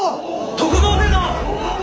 徳川勢だ！